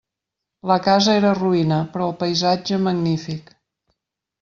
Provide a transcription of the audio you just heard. La casa era roïna, però el paisatge magnífic.